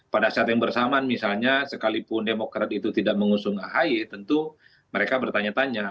pada saat yang bersamaan misalnya sekalipun demokrat itu tidak mengusung ahy tentu mereka bertanya tanya